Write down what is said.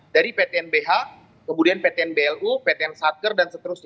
dari ptnbh kemudian ptnblu ptn satker dan seterusnya